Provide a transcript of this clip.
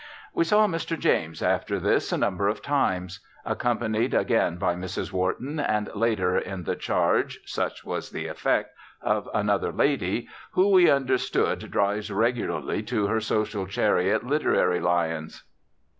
We saw Mr. James after this a number of times. Accompanied again by Mrs. Wharton, and later in the charge (such was the effect) of another lady, who, we understood, drives regularly to her social chariot literary lions.